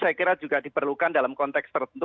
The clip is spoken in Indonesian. saya kira juga diperlukan dalam konteks tertentu